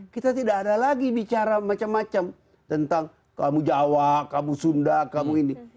kita tidak ada lagi bicara macam macam tentang kamu jawa kamu sunda kamu ini